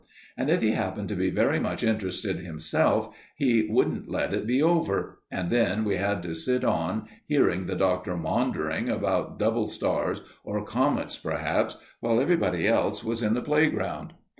And if he happened to be very much interested himself, he wouldn't let it be over; and then we had to sit on hearing the Doctor maundering about double stars, or comets perhaps, while everybody else was in the playground.